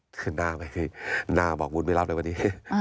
คือหน้าบอกวุฒิไม่รับเลยวันนี้